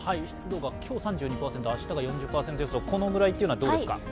湿度が今日３２％、明日が４０％予想、このぐらいというのはどうですか？